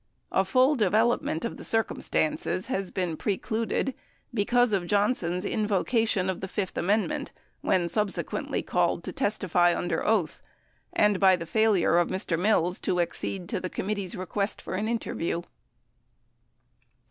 A full development of the circumstances has been precluded because of Johnson's invocation of the fifth amendment when subsequently called to testify under oath, and by the failure of Mr. Mills to accede to the committee's request for interview.